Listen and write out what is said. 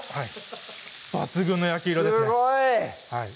抜群の焼き色ですねすごい！